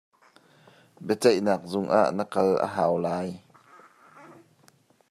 Biaceihnak zung ah na kal a hau lai.